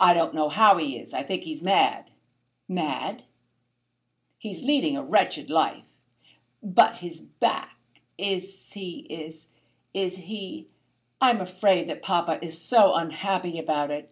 "I don't know how he is. I think he's mad." "Mad?" "He's leading a wretched life." "But his back? Is he; is he ? I am afraid that papa is so unhappy about it!